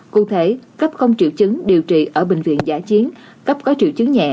cụ thể cấp không triệu chứng điều trị ở bệnh viện giả chiến cấp có triệu chứng nhẹ